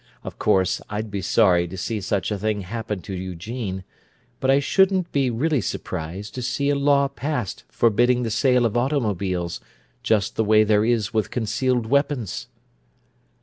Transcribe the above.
Of course I'd be sorry to see such a thing happen to Eugene, but I shouldn't be really surprised to see a law passed forbidding the sale of automobiles, just the way there is with concealed weapons."